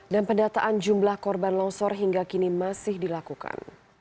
dan pendataan jumlah korban longsor hingga kini masih dilakukan